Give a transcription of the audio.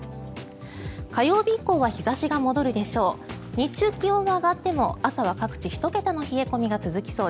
火曜日以降は日差しが戻るでしょう。